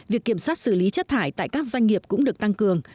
việc kiểm soát xử lý chất thải tại các doanh nghiệp cũng được tăng cường